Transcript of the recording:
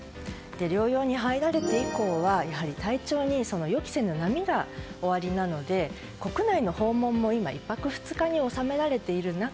療養に入られて以降はやはり体調に予期せぬ波がおありなので国内の訪問も今１泊２日に収められている中